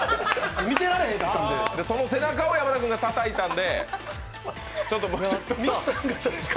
その背中を山田君がたたいたんで。